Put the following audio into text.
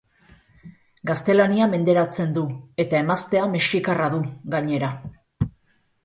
Gaztelania menderatzen du, eta emaztea mexikarra du, gainera.